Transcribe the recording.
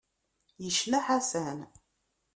Yecna Ḥasan.